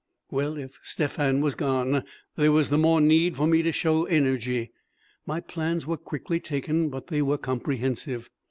Well, if Stephan was gone there was the more need for me to show energy. My plans were quickly taken, but they were comprehensive.